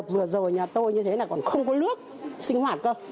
vừa rồi nhà tôi như thế là còn không có nước sinh hoạt cơ